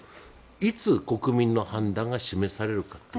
いつ国民の判断がなされるか。